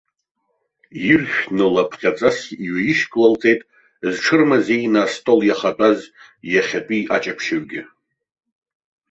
Иршәны, лапҟьаҵас иҩаишьклалҵеит зҽырмазеины астол иахатәаз иахьатәи аҷаԥшьаҩгьы.